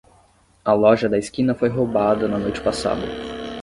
A loja da esquina foi roubada na noite passada.